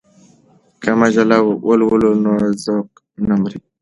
که مجله ولولو نو ذوق نه مري.